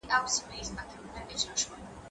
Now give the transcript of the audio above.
زه پرون مېوې راټولوم وم